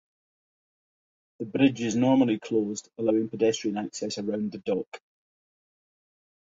The bridge is normally closed, allowing pedestrian access around the dock.